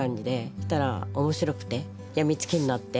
そしたら面白くて病みつきになって。